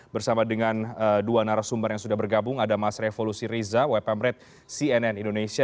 bersama dengan dua narasumber yang sudah bergabung ada mas revo lusiriza wpm red cnn indonesia